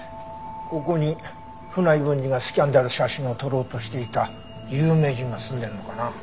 ここに船井文治がスキャンダル写真を撮ろうとしていた有名人が住んでるのかな？